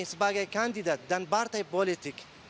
sebagai kandidat dan partai politik